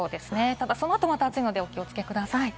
ただそのあと暑いので、お気をつけください。